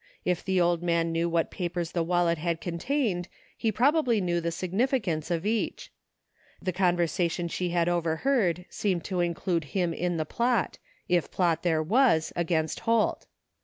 I f the old man knew what papers the wal let had contained he probably knew the significance of each. The conversation she had overheard seemed to include him in the plot, if plot there was, against Holt.